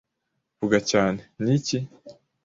Vuga cyane; ni iki? ”